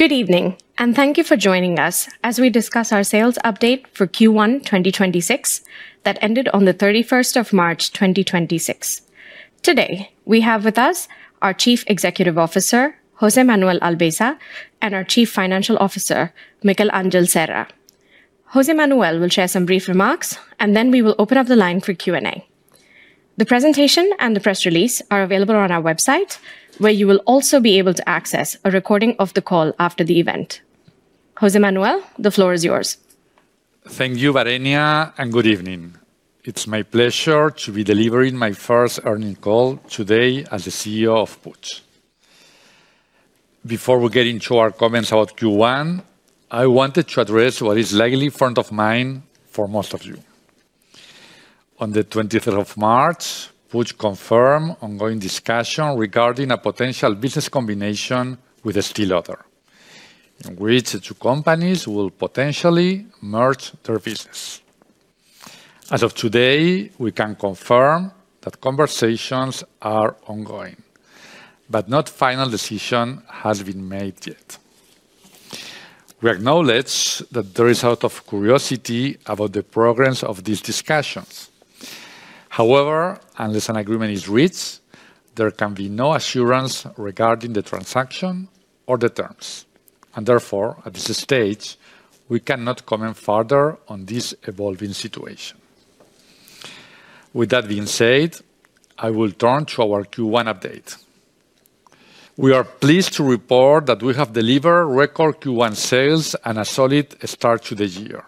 Good evening, and thank you for joining us as we discuss our sales update for Q1 2026 that ended on the 31st of March, 2026. Today, we have with us our Chief Executive Officer, José Manuel Albesa, and our Chief Financial Officer, Miquel Angel Serra. José Manuel will share some brief remarks. Then we will open up the line for Q&A. The presentation and the press release are available on our website, where you will also be able to access a recording of the call after the event. José Manuel, the floor is yours. Thank you, Varenya. Good evening. It's my pleasure to be delivering my first earnings call today as the CEO of Puig. Before we get into our comments about Q1, I wanted to address what is likely front of mind for most of you. On the 20th of March, Puig confirm ongoing discussion regarding a potential business combination with Estée Lauder, in which the two companies will potentially merge their business. As of today, we can confirm that conversations are ongoing, no final decision has been made yet. We acknowledge that there is a lot of curiosity about the progress of these discussions. However, unless an agreement is reached, there can be no assurance regarding the transaction or the terms, and therefore, at this stage, we cannot comment further on this evolving situation. With that being said, I will turn to our Q1 update. We are pleased to report that we have delivered record Q1 sales and a solid start to this year,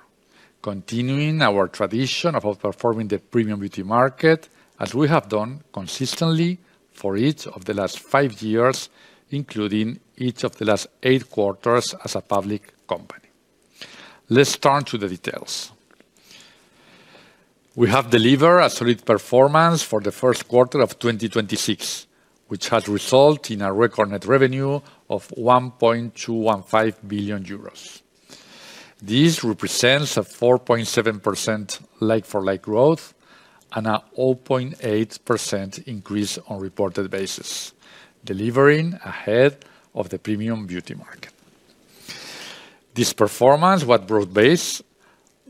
continuing our tradition of outperforming the premium beauty market, as we have done consistently for each of the last five years, including each of the last eight quarters as a public company. Let's turn to the details. We have delivered a solid performance for the first quarter of 2026, which has resulted in a record net revenue of 1.215 billion euros. This represents a 4.7% like-for-like growth and a 0.8% increase on reported basis, delivering ahead of the premium beauty market. This performance was broad-based,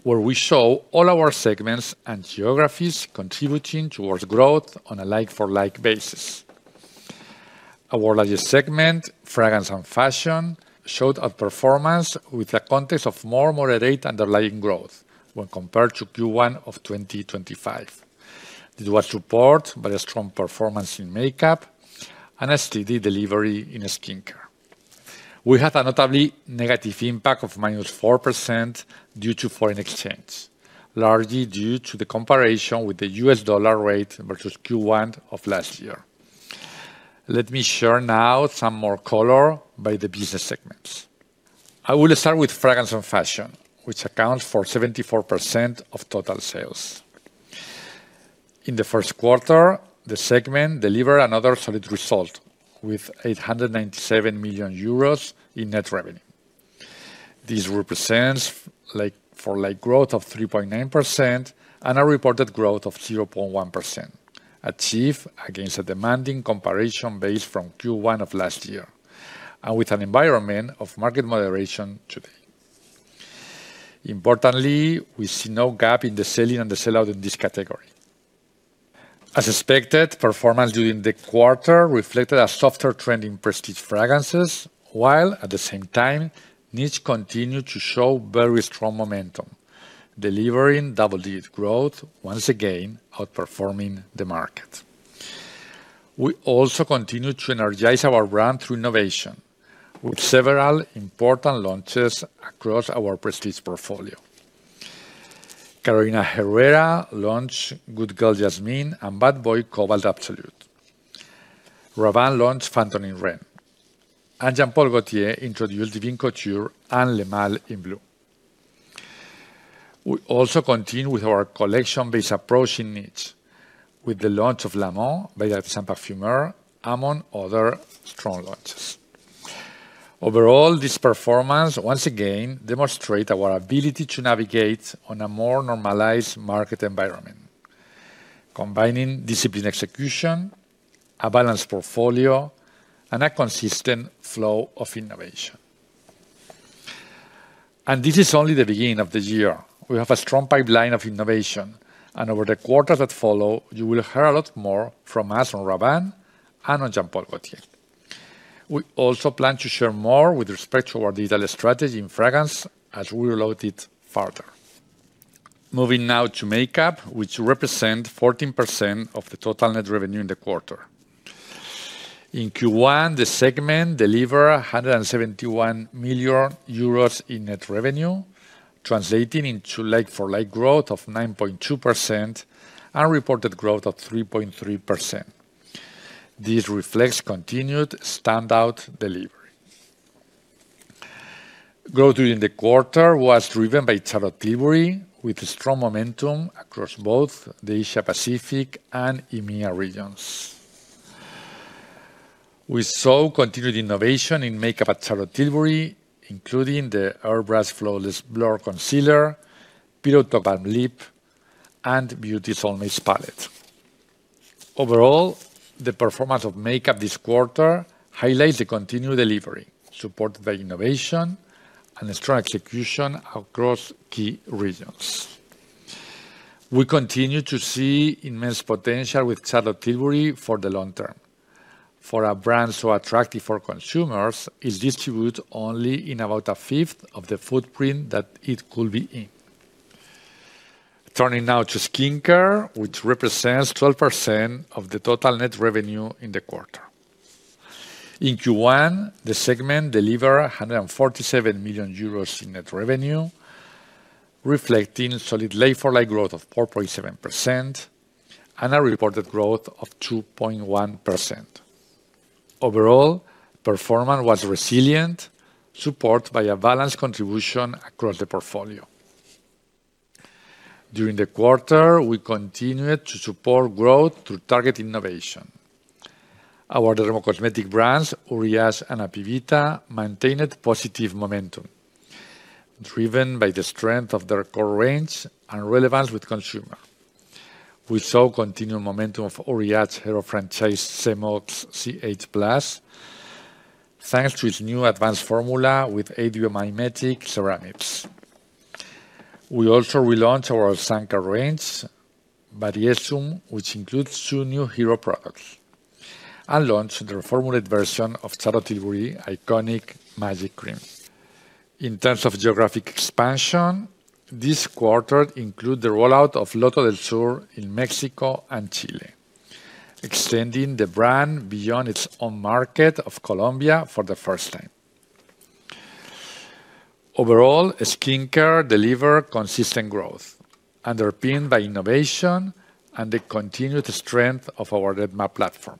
where we show all our segments and geographies contributing towards growth on a like-for-like basis. Our largest segment, fragrance and fashion, showed outperformance with a context of more moderate underlying growth when compared to Q1 of 2025. It was supported by a strong performance in makeup and a steady delivery in skincare. We had a notably negative impact of -4% due to foreign exchange, largely due to the comparison with the U.S. dollar rate versus Q1 of last year. Let me share now some more color by the business segments. I will start with Fragrance and Fashion, which accounts for 74% of total sales. In the first quarter, the segment delivered another solid result with 897 million euros in net revenue. This represents like-for-like growth of 3.9% and a reported growth of 0.1%, achieved against a demanding comparison base from Q1 of last year and with an environment of market moderation today. Importantly, we see no gap in the sell-in and the sell-out in this category. As expected, performance during the quarter reflected a softer trend in prestige fragrances, while at the same time, niche continued to show very strong momentum, delivering double-digit growth, once again outperforming the market. We also continued to energize our brand through innovation with several important launches across our prestige portfolio. Carolina Herrera launched Good Girl Jasmine and Bad Boy Cobalt Absolute. Rabanne launched Phantom in Red, and Jean Paul Gaultier introduced Gaultier Divine and Le Male in Blue. We also continue with our collection-based approach in niche with the launch of La Moon by Art et Parfum, among other strong launches. Overall, this performance once again demonstrate our ability to navigate on a more normalized market environment, combining disciplined execution, a balanced portfolio, and a consistent flow of innovation. This is only the beginning of the year. We have a strong pipeline of innovation, and over the quarters that follow, you will hear a lot more from us on Rabanne and on Jean Paul Gaultier. We also plan to share more with respect to our digital strategy in fragrance as we roll it out further. Moving now to Makeup, which represent 14% of the total net revenue in the quarter. In Q1, the segment delivered 171 million euros in net revenue, translating into like-for-like growth of 9.2% and reported growth of 3.3%. This reflects continued standout delivery. Growth during the quarter was driven by Charlotte Tilbury with strong momentum across both the Asia-Pacific and EMEA regions. We saw continued innovation in Makeup at Charlotte Tilbury, including the Airbrush Flawless Blur Concealer, Pillow Talk Lip Balm, and Beauty Soulmates Face Palette. The performance of Makeup this quarter highlights the continued delivery, supported by innovation and strong execution across key regions. We continue to see immense potential with Charlotte Tilbury for the long term. For a brand so attractive for consumers, it's distributed only in about 1/5 of the footprint that it could be in. Turning now to Skincare, which represents 12% of the total net revenue in the quarter. In Q1, the segment delivered 147 million euros in net revenue, reflecting solid like-for-like growth of 4.7% and a reported growth of 2.1%. Performance was resilient, supported by a balanced contribution across the portfolio. During the quarter, we continued to support growth through targeted innovation. Our dermo-cosmetic brands, Uriage and Apivita, maintained positive momentum, driven by the strength of their core range and relevance with consumer. We saw continued momentum of Uriage hero franchise, Xémose C8+, thanks to its new advanced formula with biomimetic ceramides. We also relaunched our skincare range, Bariésun, which includes two new hero products, and launched the reformulated version of Charlotte Tilbury iconic Magic Cream. In terms of geographic expansion, this quarter include the rollout of Loto del Sur in Mexico and Chile, extending the brand beyond its own market of Colombia for the first time. Overall, Skincare delivered consistent growth, underpinned by innovation and the continued strength of our Redmap platform.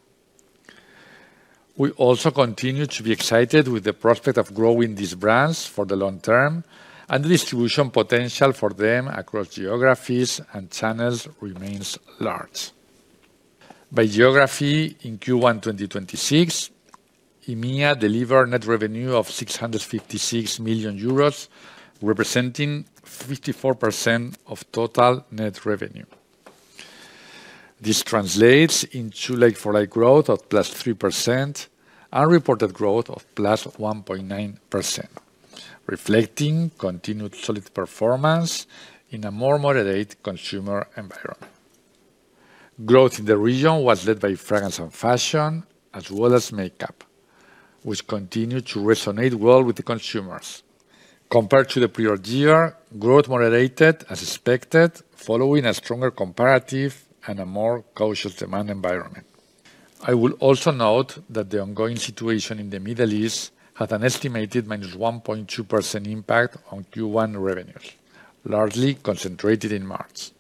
We also continue to be excited with the prospect of growing these brands for the long term, and the distribution potential for them across geographies and channels remains large. By geography in Q1 2026, EMEA delivered net revenue of 656 million euros, representing 54% of total net revenue. This translates into like-for-like growth of +3% and reported growth of +1.9%, reflecting continued solid performance in a more moderate consumer environment. Growth in the region was led by Fragrance and Fashion, as well as Makeup, which continued to resonate well with the consumers. Compared to the prior year, growth moderated as expected, following a stronger comparative and a more cautious demand environment. I will also note that the ongoing situation in the Middle East had an estimated -1.2% impact on Q1 revenues, largely concentrated in March.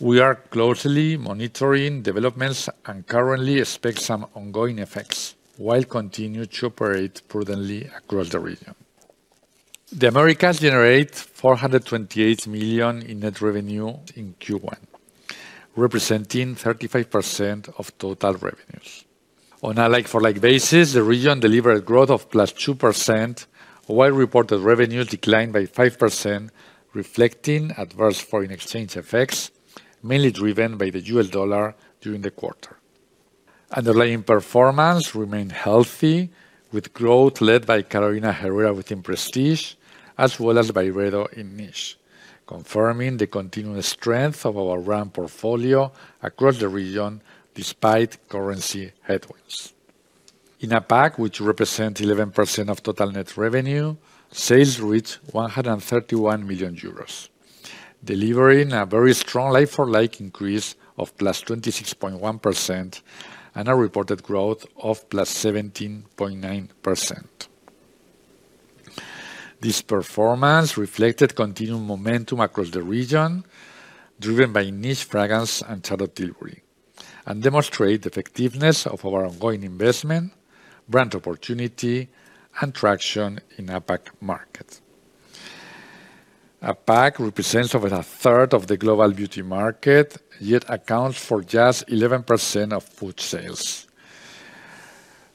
We are closely monitoring developments and currently expect some ongoing effects while continuing to operate prudently across the region. The Americas generate 428 million in net revenue in Q1, representing 35% of total revenues. On a like-for-like basis, the region delivered growth of +2%, while reported revenues declined by 5%, reflecting adverse foreign exchange effects, mainly driven by the U.S. dollar during the quarter. Underlying performance remained healthy, with growth led by Carolina Herrera within prestige as well as Byredo in niche, confirming the continued strength of our brand portfolio across the region despite currency headwinds. In APAC, which represent 11% of total net revenue, sales reached 131 million euros, delivering a very strong like-for-like increase of +26.1% and a reported growth of +17.9%. This performance reflected continued momentum across the region, driven by niche fragrance and Charlotte Tilbury, and demonstrate the effectiveness of our ongoing investment, brand opportunity, and traction in APAC market. APAC represents over a third of the global beauty market, yet accounts for just 11% of Puig sales.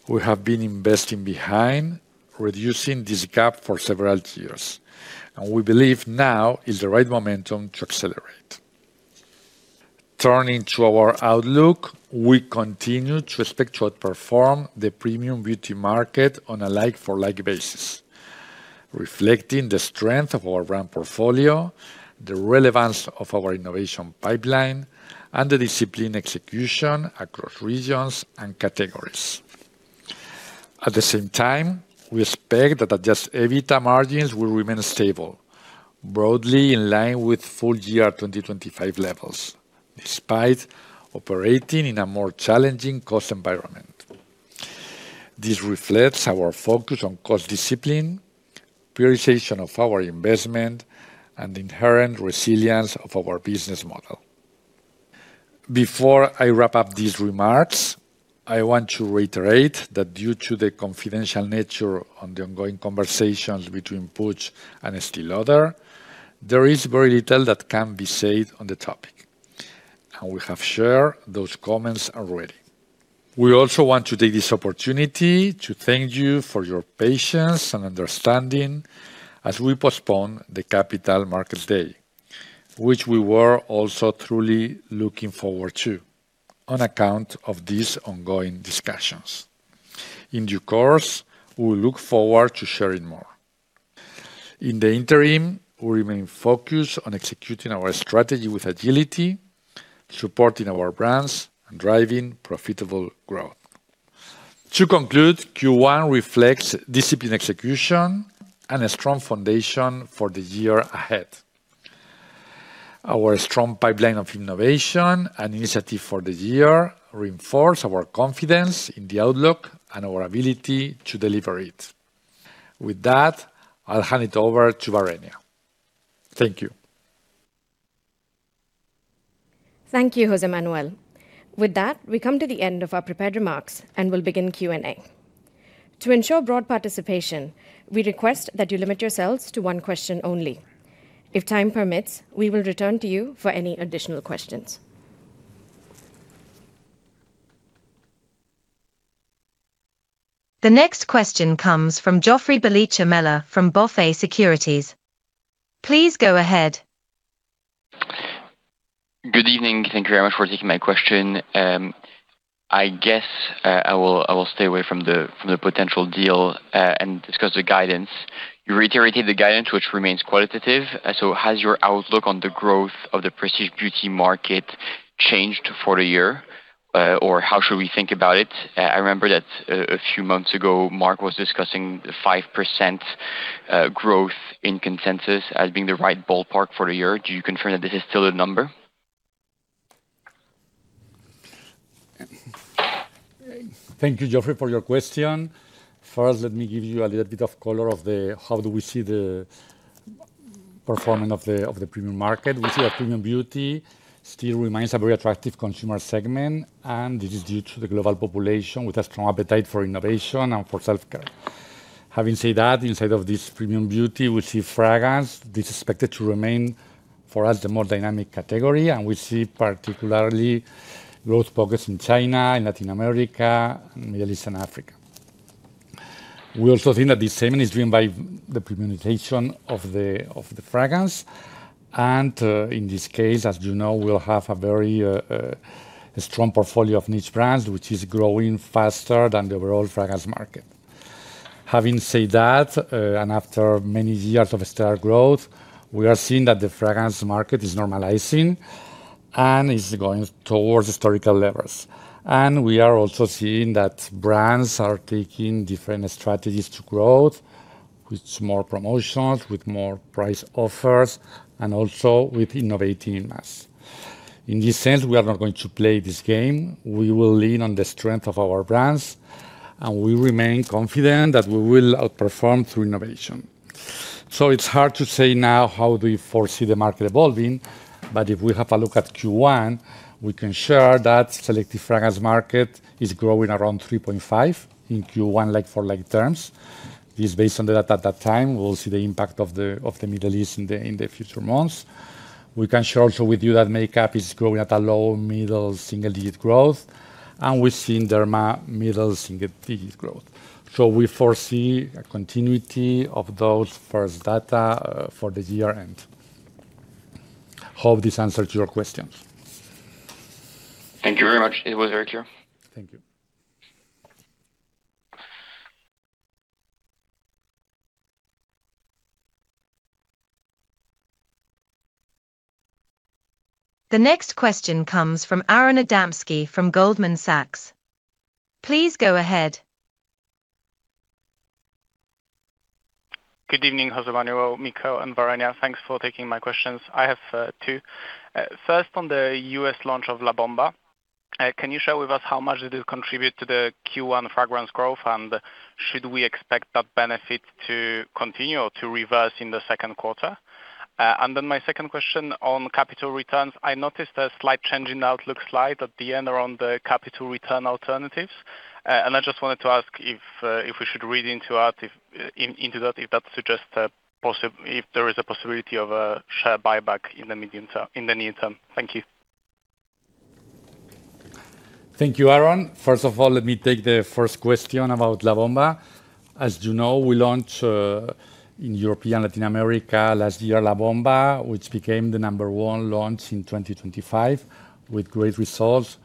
We have been investing behind reducing this gap for several years, and we believe now is the right momentum to accelerate. Turning to our outlook, we continue to expect to outperform the premium beauty market on a like-for-like basis, reflecting the strength of our brand portfolio, the relevance of our innovation pipeline, and the disciplined execution across regions and categories. At the same time, we expect that adjusted EBITDA margins will remain stable, broadly in line with full year 2025 levels, despite operating in a more challenging cost environment. This reflects our focus on cost discipline, prioritization of our investment, and inherent resilience of our business model. Before I wrap up these remarks, I want to reiterate that due to the confidential nature on the ongoing conversations between Puig and Estée Lauder, there is very little that can be said on the topic, and we have shared those comments already. We also want to take this opportunity to thank you for your patience and understanding as we postpone the Capital Markets Day, which we were also truly looking forward to on account of these ongoing discussions. In due course, we look forward to sharing more. In the interim, we remain focused on executing our strategy with agility, supporting our brands, and driving profitable growth. To conclude, Q1 reflects disciplined execution and a strong foundation for the year ahead. Our strong pipeline of innovation and initiative for the year reinforce our confidence in the outlook and our ability to deliver it. With that, I'll hand it over to Varenya. Thank you. Thank you, José Manuel. With that, we come to the end of our prepared remarks, and we will begin Q&A. To ensure broad participation, we request that you limit yourselves to one question only. If time permits, we will return to you for any additional questions. The next question comes from Joffrey Bellicha Meller from BofA Securities. Please go ahead. Good evening. Thank you very much for taking my question. I guess I will stay away from the potential deal and discuss the guidance. You reiterated the guidance, which remains qualitative. Has your outlook on the growth of the prestige beauty market changed for the year? How should we think about it? I remember that a few months ago, Marc was discussing the 5% growth in consensus as being the right ballpark for the year. Do you confirm that this is still the number? Thank you, Joffrey, for your question. Let me give you a little bit of color of the how do we see the performance of the premium market. We see that premium beauty still remains a very attractive consumer segment, and this is due to the global population with a strong appetite for innovation and for self-care. Having said that, inside of this premium beauty, we see fragrance is expected to remain for us the more dynamic category, and we see particularly growth pockets in China, in Latin America, Middle East, and Africa. We also think that this segment is driven by the premiumization of the fragrance. In this case, as you know, we'll have a very strong portfolio of niche brands, which is growing faster than the overall fragrance market. Having said that, after many years of stellar growth, we are seeing that the fragrance market is normalizing and is going towards historical levels. We are also seeing that brands are taking different strategies to growth with more promotions, with more price offers, and also with innovating in mass. In this sense, we are not going to play this game. We will lean on the strength of our brands, and we remain confident that we will outperform through innovation. It's hard to say now how do we foresee the market evolving, but if we have a look at Q1, we can share that selective fragrance market is growing around 3.5% in Q1 like-for-like terms. This is based on the data at that time. We'll see the impact of the Middle East in the future months. We can share also with you that Makeup is growing at a low-middle single-digit growth, and we've seen derma middle single-digit growth. We foresee a continuity of those first data for the year-end. Hope this answers your question. Thank you very much. It was very clear. Thank you. The next question comes from Aron Adamski from Goldman Sachs. Please go ahead. Good evening, José Manuel, Miquel, and Varenya. Thanks for taking my questions. I have two. First on the U.S. launch of La Bomba, can you share with us how much did it contribute to the Q1 fragrance growth? Should we expect that benefit to continue or to reverse in the second quarter? My second question on capital returns, I noticed a slight change in outlook slide at the end around the capital return alternatives. I just wanted to ask if we should read into that if that suggests a possibility of a share buyback in the medium term in the near term. Thank you. Thank you, Aron. First of all, let me take the first question about La Bomba. You know, we launched in European Latin America last year La Bomba, which became the number 1 launch in 2025 with great results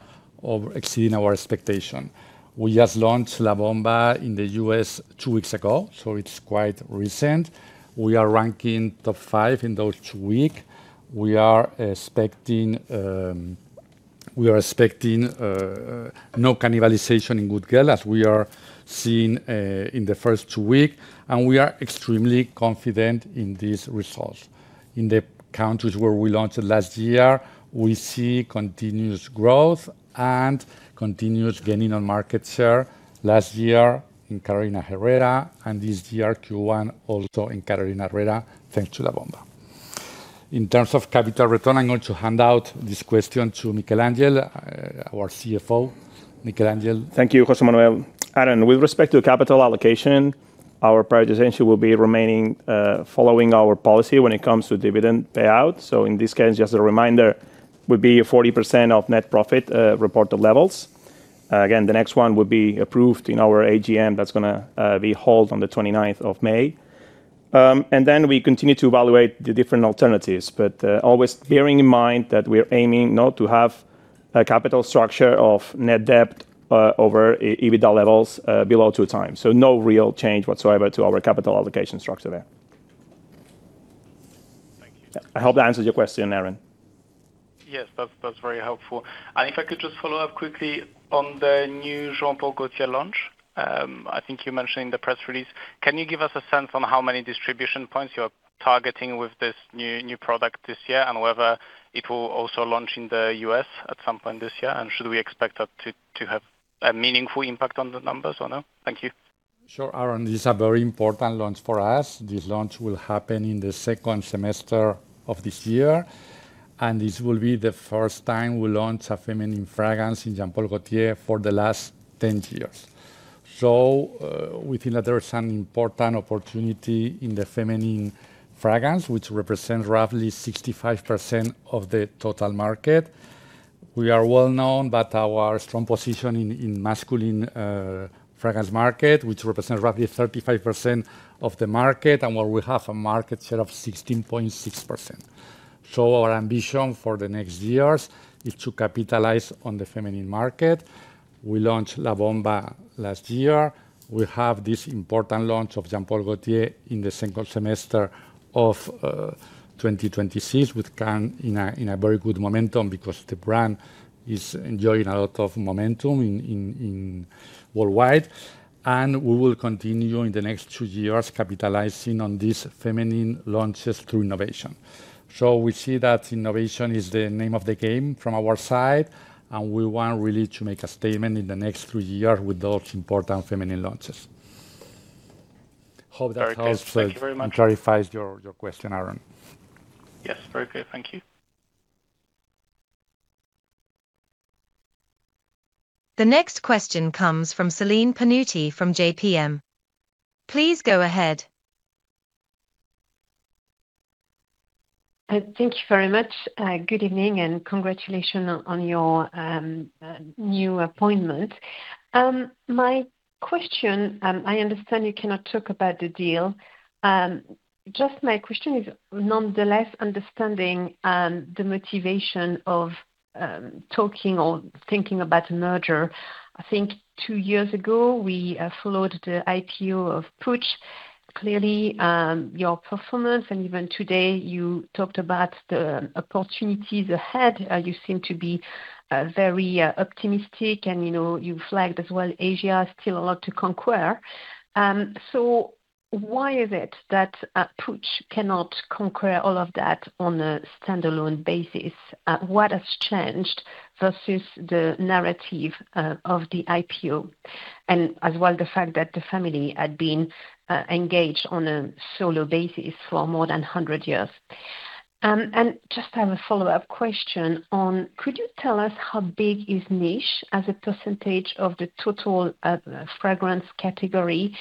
of exceeding our expectation. We just launched La Bomba in the U.S. two weeks ago. It's quite recent. We are ranking top five in those two weeks. We are expecting no cannibalization in Good Girl as we are seeing in the first two weeks. We are extremely confident in these results. In the countries where we launched it last year, we see continuous growth and continuous gaining on market share last year in Carolina Herrera. This year Q1 also in Carolina Herrera, thanks to La Bomba. In terms of capital return, I'm going to hand out this question to Miquel Angel, our CFO. Miquel Angel. Thank you, José Manuel. Aron, with respect to capital allocation Our priority essentially will be remaining following our policy when it comes to dividend payout. In this case, just a reminder, would be a 40% of net profit reported levels. Again, the next one will be approved in our AGM. That's gonna be held on the 29th of May. Then we continue to evaluate the different alternatives, but always bearing in mind that we are aiming not to have a capital structure of net debt over EBITDA levels below 2x. No real change whatsoever to our capital allocation structure there. I hope that answers your question, Aron. Yes. That's very helpful. If I could just follow up quickly on the new Jean Paul Gaultier launch. I think you mentioned in the press release, can you give us a sense on how many distribution points you're targeting with this new product this year, and whether it will also launch in the U.S. at some point this year? Should we expect that to have a meaningful impact on the numbers or no? Thank you. Sure, Aron. This a very important launch for us. This launch will happen in the second semester of this year. This will be the first time we launch a feminine fragrance in Jean Paul Gaultier for the last 10 years. We think that there is an important opportunity in the feminine fragrance, which represents roughly 65% of the total market. We are well known, our strong position in masculine fragrance market, which represents roughly 35% of the market, where we have a market share of 16.6%. Our ambition for the next years is to capitalize on the feminine market. We launched La Bomba last year. We have this important launch of Jean Paul Gaultier in the second semester of 2026 with current. in a very good momentum because the brand is enjoying a lot of momentum in worldwide. We will continue in the next two years capitalizing on these feminine launches through innovation. We see that innovation is the name of the game from our side, and we want really to make a statement in the next three years with those important feminine launches. Hope that helps. Very much. And clarifies your question, Aron. Yes. Very clear. Thank you. The next question comes from Celine Pannuti from JPMorgan. Please go ahead. Thank you very much. Good evening and congratulations on your new appointment. My question, I understand you cannot talk about the deal. Just my question is nonetheless understanding the motivation of talking or thinking about a merger. I think two years ago, we followed the IPO of Puig. Clearly, your performance, and even today you talked about the opportunities ahead, you seem to be very optimistic and, you know, you flagged as well Asia has still a lot to conquer. Why is it that Puig cannot conquer all of that on a standalone basis? What has changed versus the narrative of the IPO and as well the fact that the family had been engaged on a solo basis for more than 100 years? Just have a follow-up question on could you tell us how big is niche as a percentage of the total fragrance category?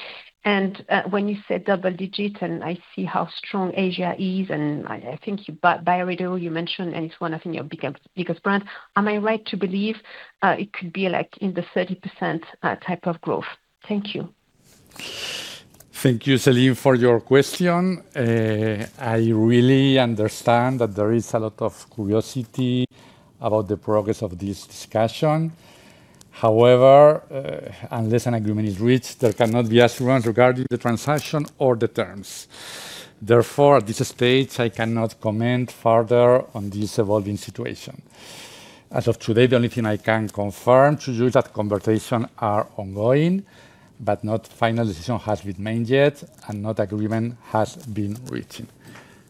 When you said double-digit, and I see how strong Asia is, and I think you bought Byredo, you mentioned, and it's one, I think, of your biggest brand. Am I right to believe, it could be, like, in the 30% type of growth? Thank you. Thank you, Celine, for your question. I really understand that there is a lot of curiosity about the progress of this discussion. However, unless an agreement is reached, there cannot be assurance regarding the transaction or the terms. Therefore, at this stage, I cannot comment further on this evolving situation. As of today, the only thing I can confirm to you is that conversations are ongoing, but not final decision has been made yet, and no agreement has been reached.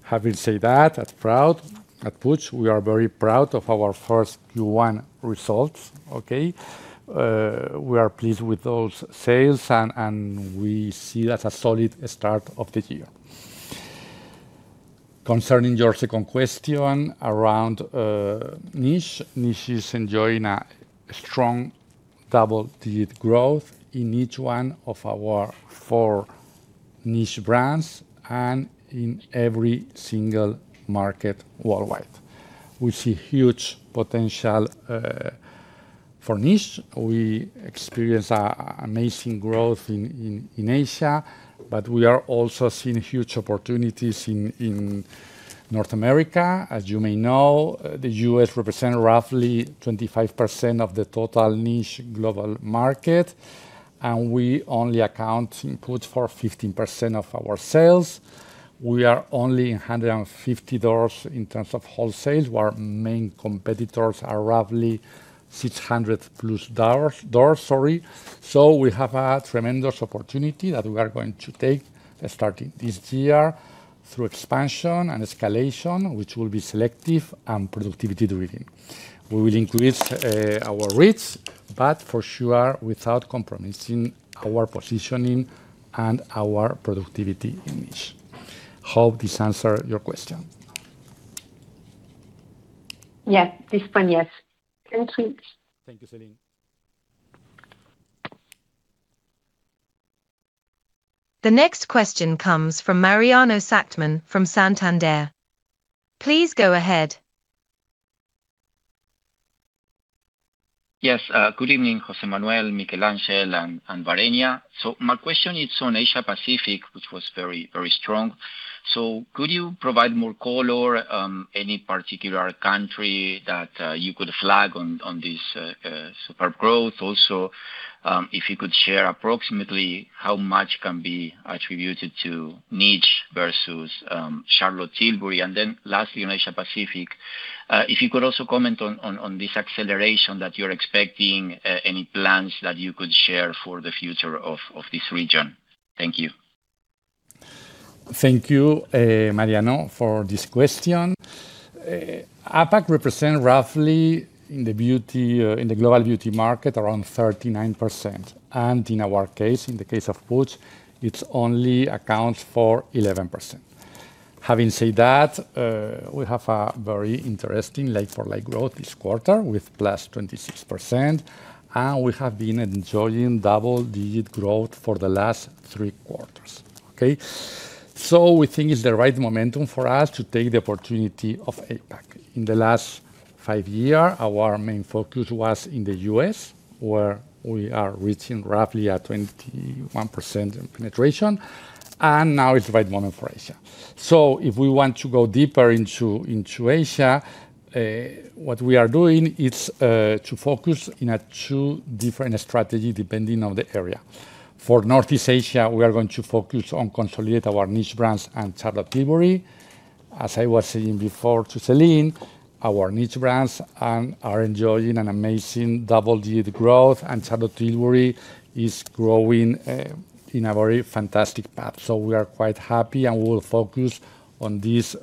Having said that, as proud, at Puig, we are very proud of our first Q1 results. Okay? We are pleased with those sales and we see that a solid start of the year. Concerning your second question around niche. Niche is enjoying a strong double-digit growth in each one of our four niche brands and in every single market worldwide. We see huge potential for niche. We experience amazing growth in Asia, but we are also seeing huge opportunities in North America. As you may know, the U.S. represent roughly 25% of the total niche global market, and we only account, Puig, for 15% of our sales. We are only 150 doors in terms of wholesales, while main competitors are roughly 600+ doors, sorry. We have a tremendous opportunity that we are going to take starting this year through expansion and escalation, which will be selective and productivity-driven. We will increase our rates, but for sure, without compromising our positioning and our productivity in niche. Hope this answer your question. Yeah, this one, yes. Thank you. Thank you, Celine. The next question comes from Mariano Szachtman from Santander. Please go ahead. Yes, good evening, José Manuel, Miquel Angel, and Varenya. My question is on Asia Pacific, which was very, very strong. Could you provide more color, any particular country that you could flag on this superb growth? Also, if you could share approximately how much can be attributed to niche versus Charlotte Tilbury. Lastly on Asia Pacific, if you could also comment on this acceleration that you're expecting, any plans that you could share for the future of this region. Thank you. Thank you, Mariano, for this question. APAC represent roughly in the beauty, in the global beauty market around 39%. In our case, in the case of Puig, it only accounts for 11%. Having said that, we have a very interesting like-for-like growth this quarter with +26%, and we have been enjoying double-digit growth for the last three quarters. Okay? We think it's the right momentum for us to take the opportunity of APAC. In the last five year, our main focus was in the U.S. where we are reaching roughly at 21% in penetration, and now it's the right moment for Asia. If we want to go deeper into Asia, what we are doing is to focus in a two different strategy depending on the area. For Northeast Asia, we are going to focus on consolidate our niche brands and Charlotte Tilbury. As I was saying before to Celine, our niche brands are enjoying an amazing double-digit growth, and Charlotte Tilbury is growing in a very fantastic path. We are quite happy, and we will focus on these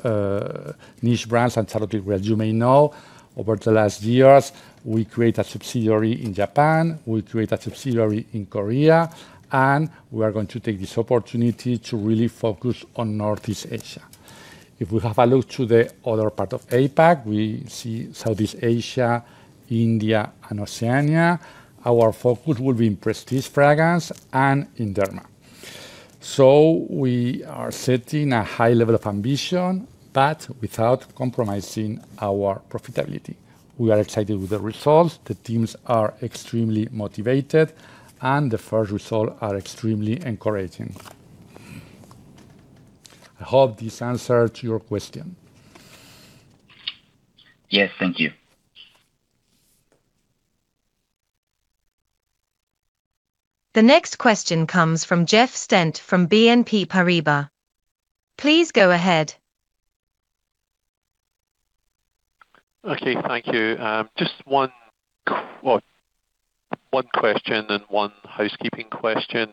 niche brands and Charlotte Tilbury. As you may know, over the last years, we create a subsidiary in Japan, we create a subsidiary in Korea, and we are going to take this opportunity to really focus on Northeast Asia. If we have a look to the other part of APAC, we see Southeast Asia, India, and Oceania, our focus will be in prestige fragrance and in derma. We are setting a high level of ambition, but without compromising our profitability. We are excited with the results. The teams are extremely motivated, and the first result are extremely encouraging. I hope this answered your question. Yes, thank you. The next question comes from Jeff Stent from BNP Paribas. Please go ahead. Thank you. Just one question and one housekeeping question.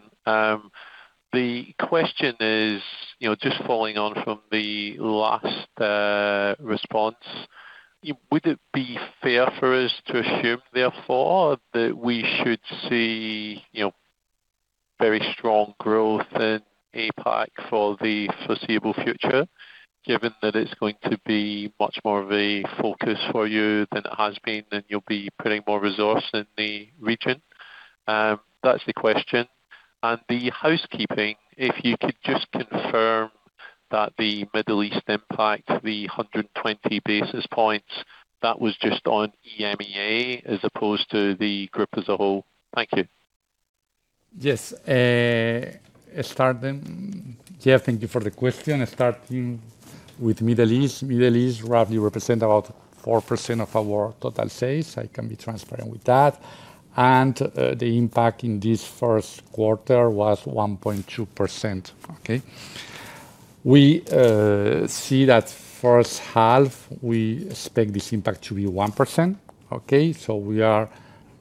The question is, you know, just following on from the last response, would it be fair for us to assume therefore that we should see, you know, very strong growth in APAC for the foreseeable future, given that it's going to be much more of a focus for you than it has been, and you'll be putting more resource in the region? That's the question. The housekeeping, if you could just confirm that the Middle East impact, the 120 basis points, that was just on EMEA as opposed to the group as a whole. Thank you. Yes. Jeff Stent, thank you for the question. Starting with Middle East. Middle East roughly represent about 4% of our total sales. I can be transparent with that. The impact in this first quarter was 1.2%. We see that first half, we expect this impact to be 1%. We are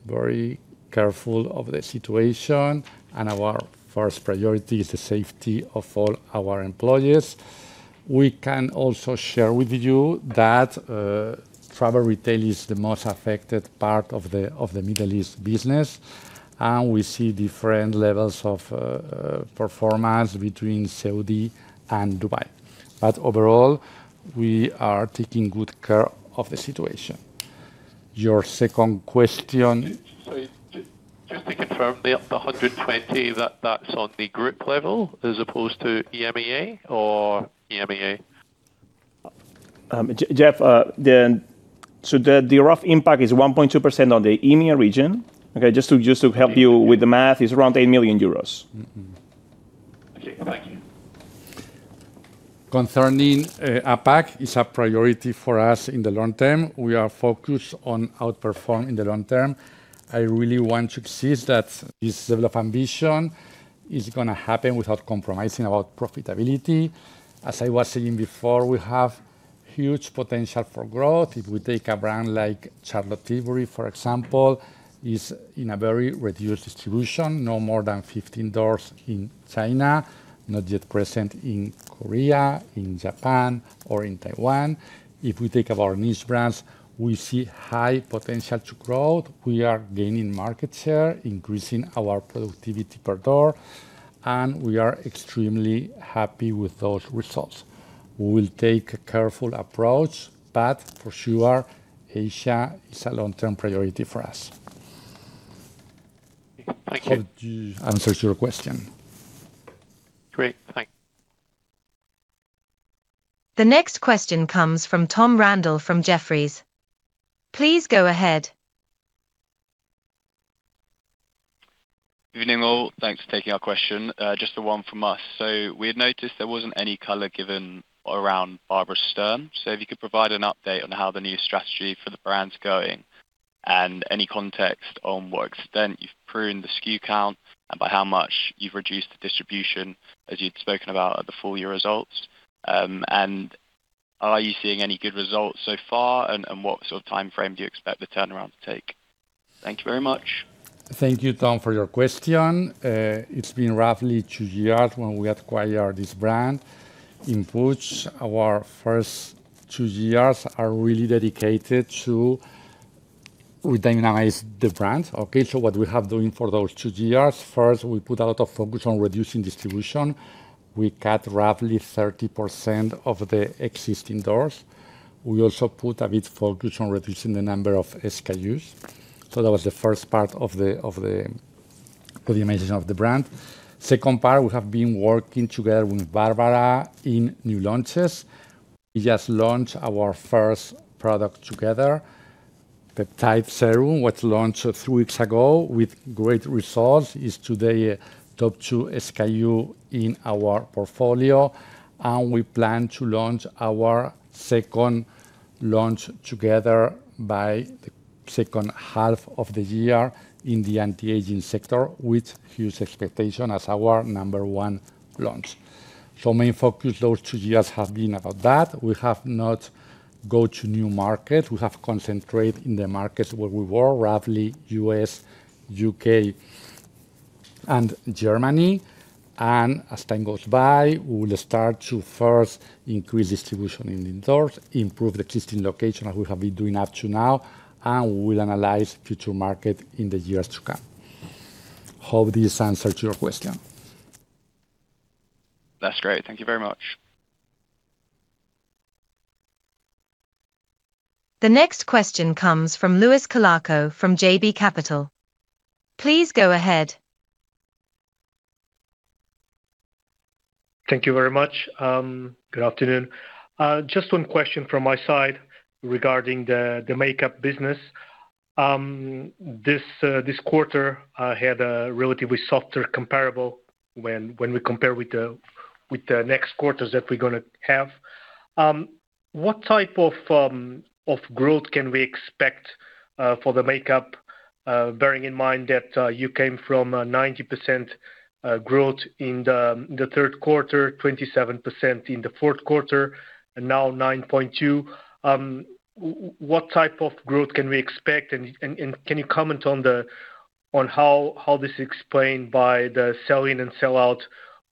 very careful of the situation, and our first priority is the safety of all our employees. We can also share with you that travel retail is the most affected part of the Middle East business, and we see different levels of performance between Saudi and Dubai. Overall, we are taking good care of the situation. Your second question- Sorry. Just to confirm, the 120, that's on the group level as opposed to EMEA or EMEA? Jeff, the rough impact is 1.2% on the EMEA region. Okay. Just to help you with the math, it's around 8 million euros. Okay. Thank you. Concerning APAC, it's a priority for us in the long term. We are focused on outperform in the long term. I really want to insist that this level of ambition is gonna happen without compromising our profitability. As I was saying before, we have huge potential for growth. If we take a brand like Charlotte Tilbury, for example, is in a very reduced distribution, no more than 15 doors in China, not yet present in Korea, in Japan, or in Taiwan. If we take our niche brands, we see high potential to growth. We are gaining market share, increasing our productivity per door, and we are extremely happy with those results. We will take a careful approach, but for sure, Asia is a long-term priority for us. Thank you. Hope this answers your question. Great. Thank you. The next question comes from Tom Randall from Jefferies. Please go ahead. Evening, all. Thanks for taking our question. Just the one from us. We had noticed there wasn't any color given around Barbara Sturm. If you could provide an update on how the new strategy for the brand's going and any context on what extent you've pruned the SKU count and by how much you've reduced the distribution as you'd spoken about at the full year results. Are you seeing any good results so far? What sort of timeframe do you expect the turnaround to take? Thank you very much. Thank you, Tom, for your question. It's been roughly two years when we acquired this brand. In Puig, our first two years are really dedicated to redynamize the brand. What we have doing for those two years, first, we put a lot of focus on reducing distribution. We cut roughly 30% of the existing doors. We also put a bit focus on reducing the number of SKUs. That was the first part of the, of the, of the imagination of the brand. Second part, we have been working together with Barbara in new launches. We just launched our first product together, the Type Serum, was launched three weeks ago with great results. It's today top two SKU in our portfolio. We plan to launch our second launch together by the second half of the year in the anti-aging sector with huge expectation as our number one launch. Main focus those two years have been about that. We have not go to new market. We have concentrate in the markets where we were, roughly U.S., U.K., and Germany. As time goes by, we will start to first increase distribution in indoors, improve the existing location like we have been doing up to now, and we will analyze future market in the years to come. Hope this answers your question. That's great. Thank you very much. The next question comes from Luis Colaço from JB Capital. Please go ahead. Thank you very much. Good afternoon. Just one question from my side regarding the makeup business. This quarter had a relatively softer comparable when we compare with the next quarters that we're gonna have. What type of growth can we expect for the makeup, bearing in mind that you came from a 90% growth in the third quarter, 27% in the fourth quarter, and now 9.2%? What type of growth can we expect and can you comment on how this explained by the sell-in and sell-out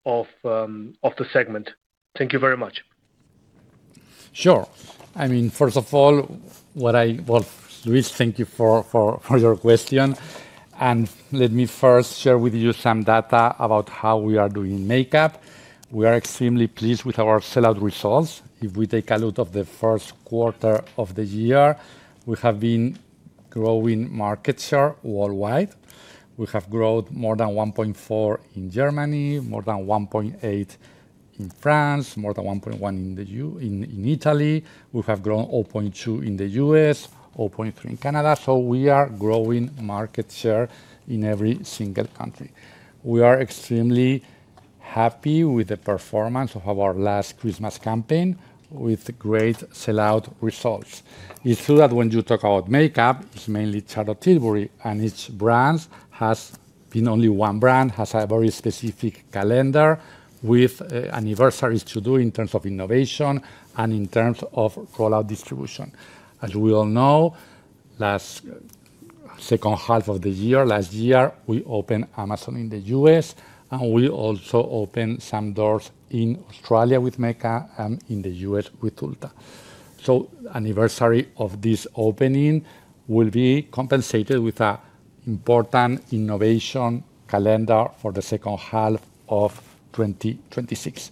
of the segment? Thank you very much. Well, Luis Colaço, thank you for your question. Let me first share with you some data about how we are doing in makeup. We are extremely pleased with our sellout results. If we take a look of the first quarter of the year, we have been growing market share worldwide. We have growth more than 1.4% in Germany, more than 1.8% in France, more than 1.1% in Italy. We have grown 0.2% in the U.S., 0.3% in Canada. We are growing market share in every single country. We are extremely happy with the performance of our last Christmas campaign with great sellout results It's true that when you talk about makeup, it's mainly Charlotte Tilbury, and each brands has been only one brand, has a very specific calendar with anniversaries to do in terms of innovation and in terms of rollout distribution. As we all know, last second half of the year, last year, we opened Amazon in the U.S., and we also opened some doors in Australia with Mecca and in the U.S. with Ulta. Anniversary of this opening will be compensated with a important innovation calendar for the second half of 2026.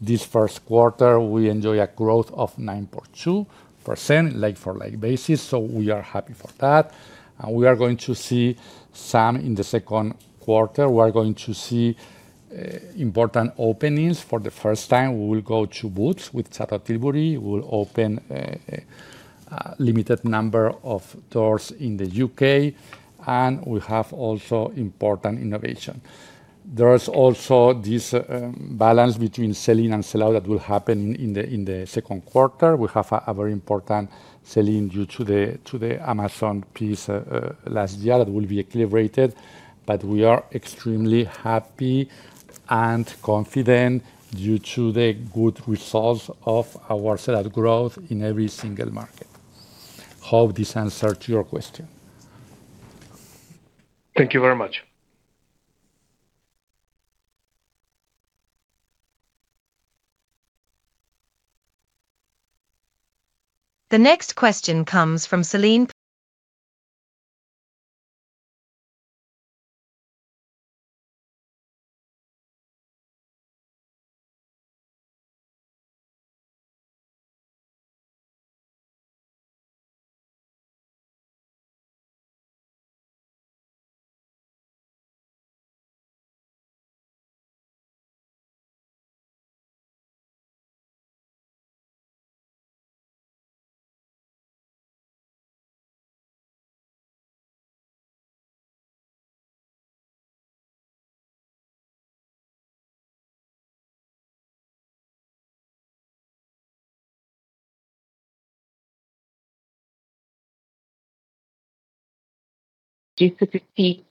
This first quarter, we enjoy a growth of 9.2% like-for-like basis, so we are happy for that. We are going to see some in the second quarter. We are going to see important openings. For the first time, we will go to Boots with Charlotte Tilbury. We will open a limited number of doors in the U.K. We have also important innovation. There is also this balance between sell-in and sell-out that will happen in the second quarter. We have a very important sell-in due to the Amazon piece last year that will be collaborated, but we are extremely happy and confident due to the good results of our sell-out growth in every single market. Hope this answered your question. Thank you very much. The next question comes from Celine. Do you foresee,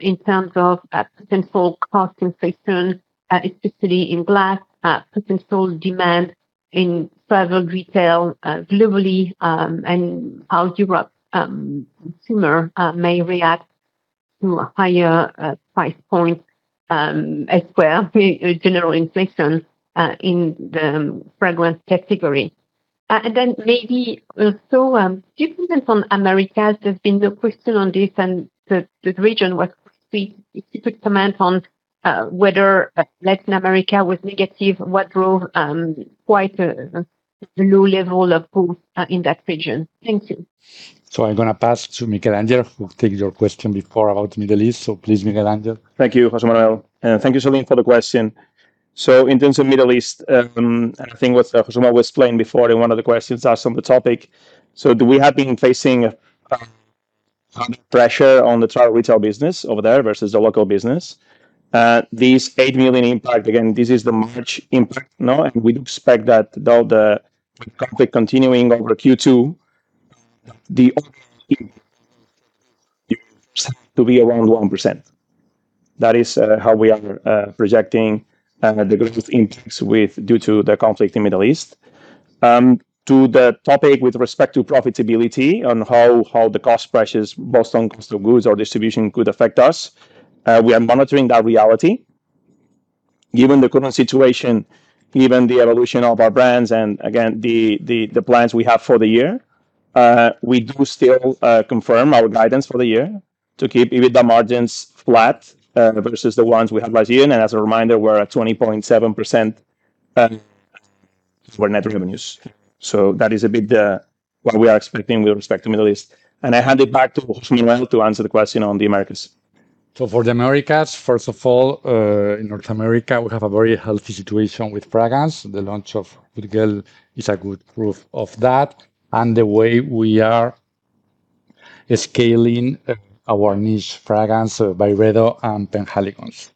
in terms of, potential cost inflation, especially in glass, potential demand in travel retail, globally, and how Europe consumer may react to a higher price point, as per the general inflation, in the fragrance category? Then maybe also, do you think that on Americas there's been no question on this and the region was pretty difficult to comment on, whether Latin America was negative, what drove, quite a low level of growth, in that region. Thank you. I'm gonna pass to Miquel Angel, who take your question before about Middle East. Please, Miquel Angel. Thank you, José Manuel. Thank you, Celine, for the question. In terms of Middle East, I think what José Manuel was explaining before in one of the questions asked on the topic, we have been facing pressure on the travel retail business over there versus the local business. These 8 million impact, again, this is the March impact now, and we do expect that though the conflict continuing over Q2, the overall impact to be around 1%. That is how we are projecting the growth impacts due to the conflict in Middle East. To the topic with respect to profitability on how the cost pressures, both on cost of goods or distribution could affect us, we are monitoring that reality. Given the current situation, given the evolution of our brands and again, the plans we have for the year, we do still confirm our guidance for the year to keep EBITDA margins flat versus the ones we had last year. As a reminder, we're at 20.7% for net revenues. That is a bit what we are expecting with respect to Middle East. I hand it back to José Manuel to answer the question on the Americas. For the Americas, first of all, in North America, we have a very healthy situation with fragrance. The launch of Good Girl is a good proof of that, and the way we are scaling our niche fragrance, Byredo and Penhaligon's.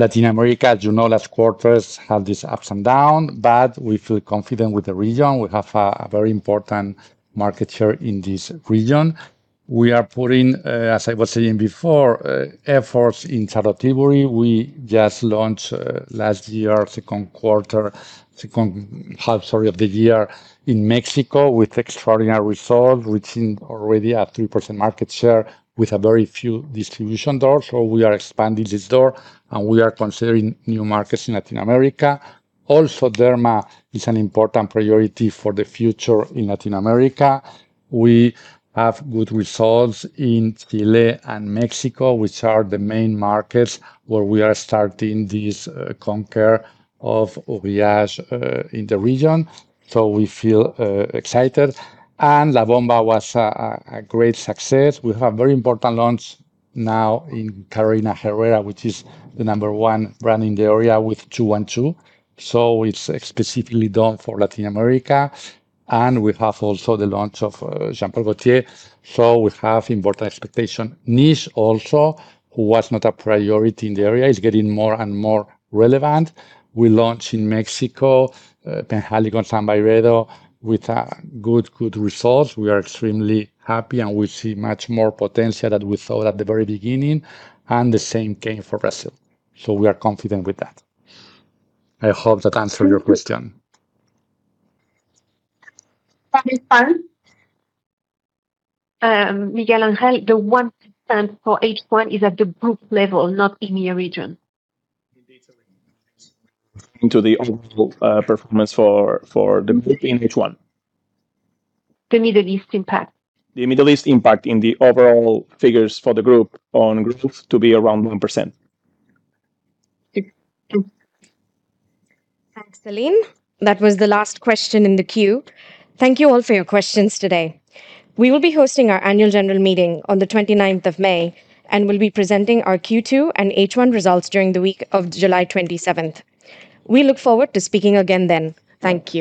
Latin America, as you know, last quarters have this ups and downs, but we feel confident with the region. We have a very important market share in this region. We are putting, as I was saying before, efforts in travel recovery. We just launched, last year, second quarter, second half, sorry, of the year in Mexico with extraordinary results, reaching already a 3% market share with a very few distribution doors. We are expanding this door, and we are considering new markets in Latin America. Also, Derma is an important priority for the future in Latin America. We have good results in Chile and Mexico, which are the main markets where we are starting this conquer of Uriage in the region. We feel excited. La Bomba was a great success. We have a very important launch now in Carolina Herrera, which is the number one brand in the area with 212. It's specifically done for Latin America. We have also the launch of Jean Paul Gaultier. We have important expectation. Niche also, who was not a priority in the area, is getting more and more relevant. We launch in Mexico, Penhaligon's and Byredo with good results. We are extremely happy, and we see much more potential that we thought at the very beginning, and the same came for Brazil. We are confident with that. I hope that answered your question. That is fine. Miquel Angel, the 1% for H1 is at the group level, not in your region. Into the overall performance for the group in H1. The Middle East impact. The Middle East impact in the overall figures for the group on growth to be around 1%. Thank you. Thanks, Celine. That was the last question in the queue. Thank you all for your questions today. We will be hosting our annual general meeting on the 29th of May, and we'll be presenting our Q2 and H1 results during the week of July 27th. We look forward to speaking again then. Thank you